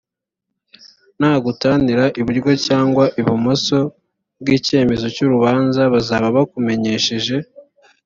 nta gutanira iburyo cyangwa ibumoso bw’icyemezo cy’urubanza bazaba bakumenyesheje.